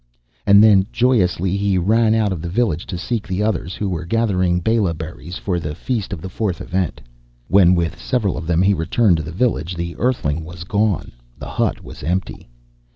And then, joyously, he ran out of the village to seek the others, who were gathering bela berries for the feast of the fourth event. When, with several of them, he returned to the village, the Earthling was gone. The hut was empty.